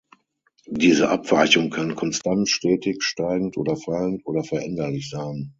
Diese Abweichung kann konstant, stetig steigend oder fallend, oder veränderlich sein.